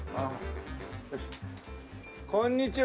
こんにちは。